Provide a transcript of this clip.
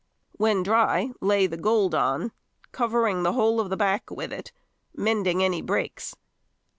When dry, lay the gold on, covering the whole of the back with it, mending any breaks.